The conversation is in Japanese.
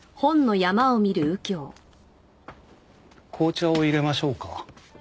紅茶を淹れましょうか。